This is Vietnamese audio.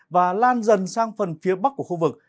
và lan dần sang phần phía bắc của khu vực